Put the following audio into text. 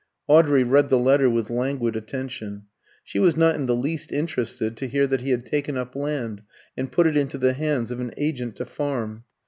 Audrey read the letter with languid attention. She was not in the least interested to hear that he had taken up land and put it into the hands of an agent to farm.